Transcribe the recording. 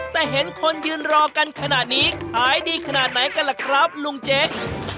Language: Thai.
แต่เห็นคนยืนรอกันขนาดนี้ขายดีขนาดไหนกันล่ะครับลุงเจ๊ก